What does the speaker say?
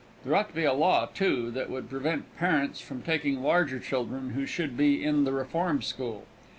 There ought to be a law, too, that would prevent parents from taking larger children who should be in the reform school.